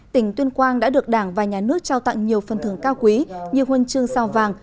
tỉnh tuyên quang đã được đảng và nhà nước trao tặng nhiều phần thưởng cao quý như huân chương sao vàng